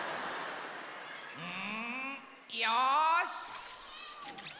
うんよし！